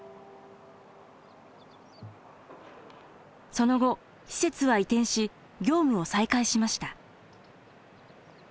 その後施設は移転し業務を再開しました。